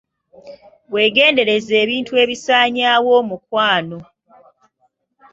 Weegendereze ebintu ebisanyaawo omukwano.